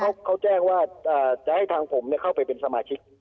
ครับเขาแจ้งว่าจนจะให้ทางผมเนี่ยเข้าไปเป็นสมาชิก